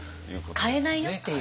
変えないよっていう。